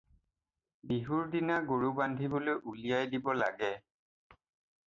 বিহুৰ দিনা গৰু বান্ধিবলৈ উলিয়াই দিব লাগে।